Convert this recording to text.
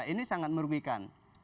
ini sangat merugikan